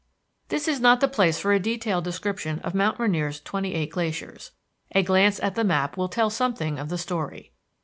This is not the place for a detailed description of Mount Rainier's twenty eight glaciers. A glance at the map will tell something of the story.